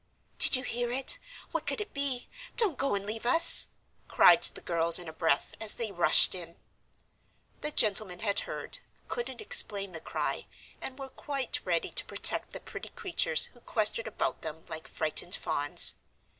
"Did you hear it? What could it be? Don't go and leave us!" cried the girls in a breath, as they rushed in. The gentlemen had heard, couldn't explain the cry, and were quite ready to protect the pretty creatures who clustered about them like frightened fawns.